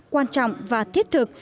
quan trọng và thiết thực